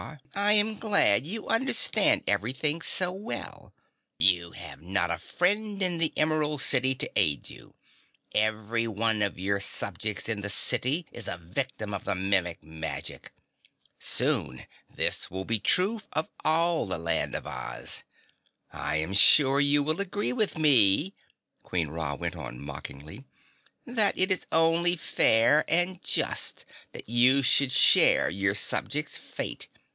"I am glad you understand everything so well. You have not a friend in the Emerald City to aid you. Everyone of your subjects in the city is a victim of the Mimic magic. Soon this will be true of all the Land of Oz. I am sure you will agree with me," Queen Ra went on mockingly, "that it is only fair and just that you should share your subjects' fate.